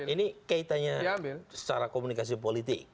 ini kaitannya secara komunikasi politik